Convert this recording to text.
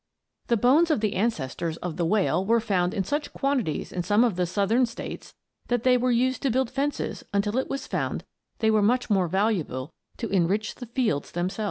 The bones of the ancestors of the whale were found in such quantities in some of the Southern States that they were used to build fences until it was found they were much more valuable to enrich the fields themselves.